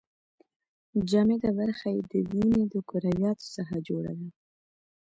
جامده برخه یې د وینې د کرویاتو څخه جوړه ده.